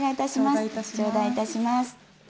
頂戴いたします。